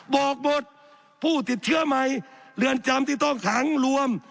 บอกบทผู้ติดเชื้อใหม่เรือนจำที่ต้องขังรวม